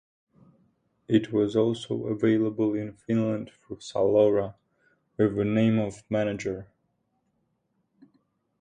It was also available in Finland through Salora, with the name of Manager.